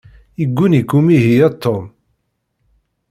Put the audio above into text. Yegguni-k umihi a Tom.